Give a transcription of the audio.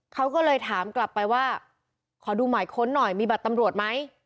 เขาก็เลยถามกลับไปว่าขอดูหมายค้นหน่อยมีบัตรตำรวจไหม